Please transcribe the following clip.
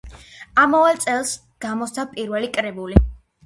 ამავე წელს გამოსცა პირველი კრებული.